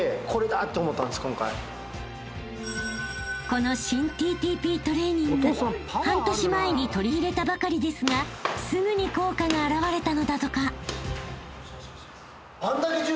［この新ＴＴＰトレーニング半年前に取り入れたばかりですがすぐに効果が現れたのだとか］